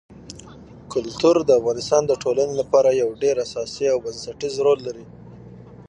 کلتور د افغانستان د ټولنې لپاره یو ډېر اساسي او بنسټيز رول لري.